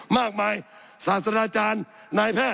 สับขาหลอกกันไปสับขาหลอกกันไป